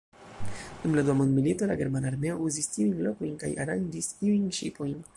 Dum la dua mondmilito, la germana armeo uzis tiujn lokojn kaj aranĝis iujn ŝipojn.